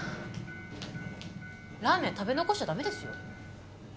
ラーメン食べ残しちゃ駄目ですよ。